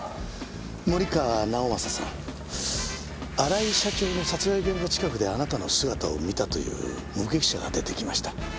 森川直政さん荒井社長の殺害現場近くであなたの姿を見たという目撃者が出てきました。